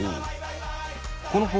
この方法